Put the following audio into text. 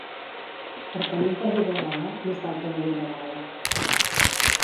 Per tenir un perdigó a l'ala, més val tenir-hi una bala.